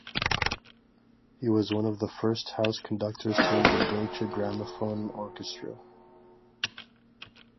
He was one of the first house conductors to lead the Deutsche Grammophon Orchestra.